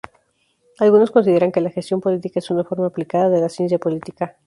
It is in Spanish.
Algunos consideran que la gestión política es una forma aplicada de la ciencia política.